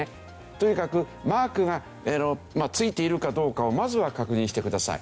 とにかくマークが付いているかどうかをまずは確認してください。